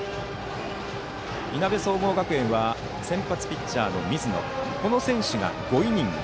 いなべ総合学園は先発ピッチャーの水野この選手が５イニング。